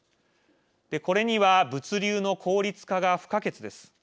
これには物流の効率化が不可欠です。